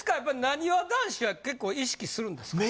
なにわ男子は結構意識するんですか？